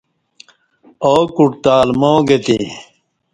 ا کوٹ تہ الماں گتے